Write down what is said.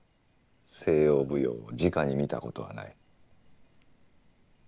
西洋舞踊をじかに見たことはない。